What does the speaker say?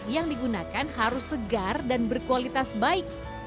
yang digunakan harus segar dan berkualitas baik